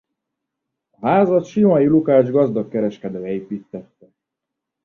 A házat Simai Lukács gazdag kereskedő építtette.